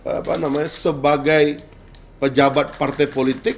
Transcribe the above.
apa namanya sebagai pejabat partai politik